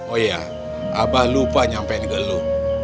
oh iya abah lupa nyampein ke lu